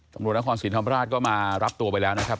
ตำรวจนครศรีธรรมราชก็มารับตัวไปแล้วนะครับ